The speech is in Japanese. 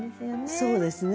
そうですね。